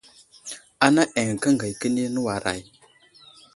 Ana eŋ kəngay kəni nəwaray ?